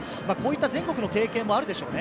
全国の経験もあるでしょうね。